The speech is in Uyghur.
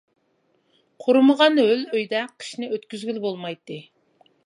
قۇرۇمىغان ھۆل ئۆيدە قىشنى ئۆتكۈزگىلى بولمايتتى.